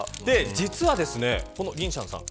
実はリン・シャンさん